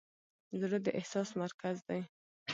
زړه د احساس مرکز دی.